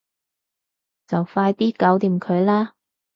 就快啲搞掂佢啦